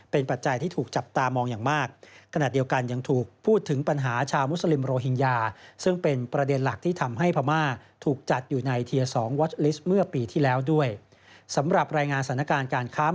เป็นปัจจัยที่ถูกจับตามองอย่างมาก